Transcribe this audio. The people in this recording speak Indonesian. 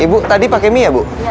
ibu tadi pakai mie ya bu